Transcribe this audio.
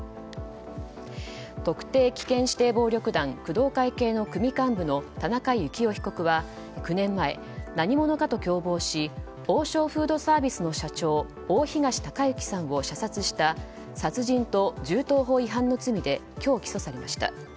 特定危険指定暴力団工藤会系組幹部の田中幸雄被告は９年前何者かと共謀し王将フードサービスの社長大東隆行さんを射殺した殺人と銃刀法違反の罪で今日、起訴されました。